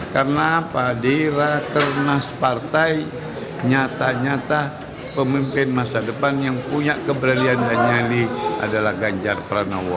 karena padirah kernas partai nyata nyata pemimpin masa depan yang punya keberanian dan nyali adalah ganjar pranowo